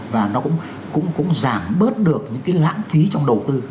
và nó cũng giảm bớt được những cái lãng phí trong đầu tư